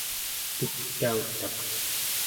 pugtautaq